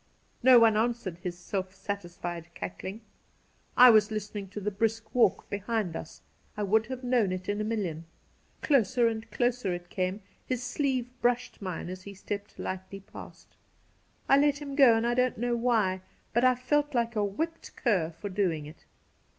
No one answered his self satisfied cackling, I was listening to the brisk walk behind us. I would have known it in a million. Closer and closer it came ; his sleeve brushed mine as he stepped lightly past. I let him go, and I don't know why. But I felt like a whipped cur for doing it.